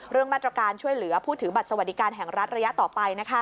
เรื่องมาตรการช่วยเหลือผู้ถือบัตรสวัสดิการแห่งรัฐระยะต่อไป